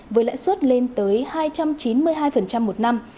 với lãi suất lên tới hai trăm chín mươi hai một năm